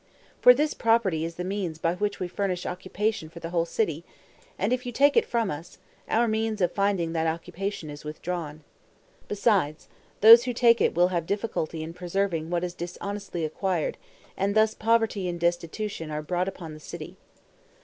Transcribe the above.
for this property is the means by which we furnish occupation for the whole city, and if you take it from us, our means of finding that occupation is withdrawn. Besides, those who take it will have difficulty in preserving what is dishonestly acquired, and thus poverty and destitution are brought upon the city.